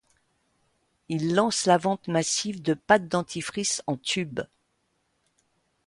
Ils lancent la vente massive de pâte dentifrice en tubes.